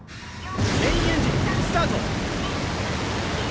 ・メインエンジンスタート。